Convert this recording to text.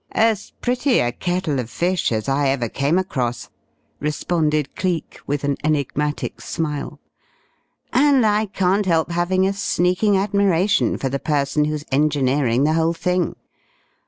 "As pretty a kettle of fish as I ever came across," responded Cleek, with an enigmatic smile. "And I can't help having a sneaking admiration for the person who's engineering the whole thing.